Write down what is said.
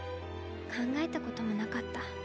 かんがえたこともなかった。